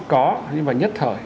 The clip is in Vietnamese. có nhưng mà nhất thời